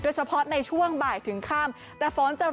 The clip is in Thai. โดยเฉพาะในช่วงบ่ายถึงข้ามและฝนจะเริ่มลดลงในช่วงสุด